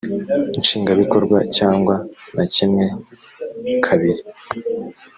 nshingwabikorwa cyangwa na kimwe kabiri